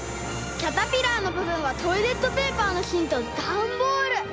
キャタピラーのぶぶんはトイレットペーパーのしんとダンボール。